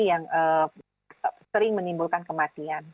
yang sering menimbulkan kematian